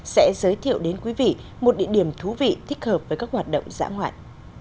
sẽ giới thiệu đến quý vị một địa điểm thú vị thích hợp với các hoạt động dã ngoại